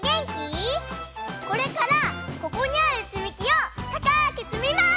これからここにあるつみきをたかくつみます！